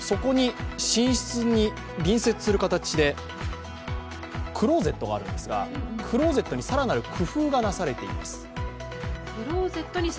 寝室に隣接する形でクローゼットがあるんですがクローゼットに更なる工夫がなされています。